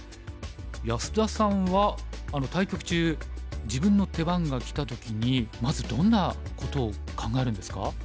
安田さんは対局中自分の手番がきた時にまずどんなことを考えるんですか？